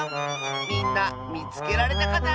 みんなみつけられたかな？